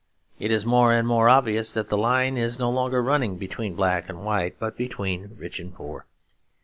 It is more and more obvious that the line is no longer running between black and white but between rich and poor.